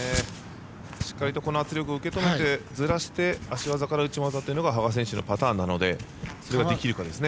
しっかりとこの圧力を受け止めて、ずらして足技から内股というのが羽賀選手のパターンなのでそれができるかですね。